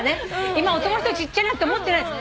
今男の人ちっちゃいなんて思ってないです。